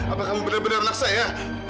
apakah kamu benar benar anak saya